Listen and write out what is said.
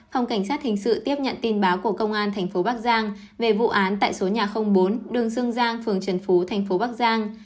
phòng cảnh sát hình sự tiếp nhận tin báo của công an tp bắc giang về vụ án tại số nhà bốn đường sương giang phường trần phú tp bắc giang